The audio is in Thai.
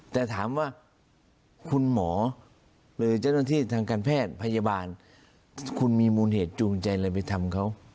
แต่ถามว่าคุณหมอหรือเจ้าหน้าที่ทางการแพทย์พยาบาลคุณมีมูลเหตุจูงใจอะไรไปทำเขา